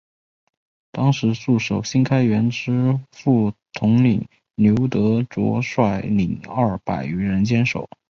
当时驻守新开园之副统领刘德杓率领二百余人坚守。